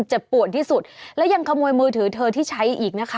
เจ็บปวดที่สุดแล้วยังขโมยมือถือเธอที่ใช้อีกนะคะ